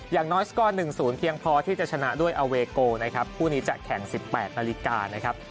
อย่างน้อยสกอร์หนึ่งศูนย์เพียงพอที่จะชนะด้วยเอเวโกนะครับผู้นี้จะแข่งสิบแปดนาฬิกานะครับ